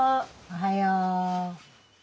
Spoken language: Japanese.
おはよう。